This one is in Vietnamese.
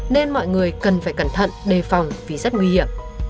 nên mọi người cần phải cẩn thận đề phòng vì rất nguy hiểm